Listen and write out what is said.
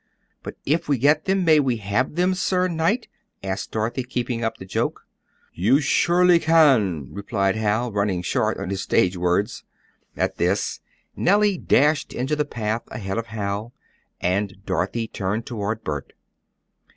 "But if we get them, may we have them sir knight?" asked Dorothy, keeping up the joke. "You surely can!" replied Hal, running short on his stage words. At this Nellie dashed into the path ahead of Hal, and Dorothy turned toward Bert.